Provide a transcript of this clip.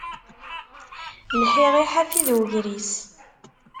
Lḥiɣ i ḥafi d ugris.